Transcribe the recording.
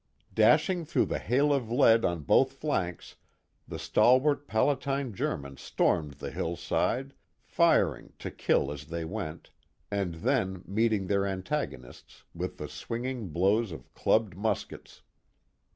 Dashing through the hail of lead on both flanks the stalwart Palatine Germans stormed the hillside firing to kill as they went and then meeting their antagonists with the swinging blows of clubbed muskets.